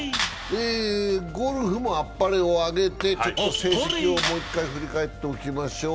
ゴルフもあっぱれをあげて、成績をもう一回振り返っておきましょう。